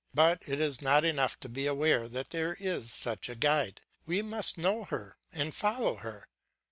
But it is not enough to be aware that there is such a guide; we must know her and follow her.